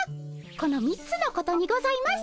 この３つのことにございます。